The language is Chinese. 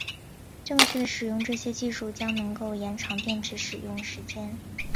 正确的使用这些技术将能够延长电池使用时间。